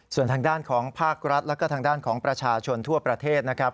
ส่วนทางด้านของภาครัฐแล้วก็ทางด้านของประชาชนทั่วประเทศนะครับ